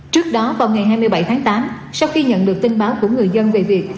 trước đó vào ngày hai mươi bảy tháng tám sau khi nhận được tin báo của người dân về việc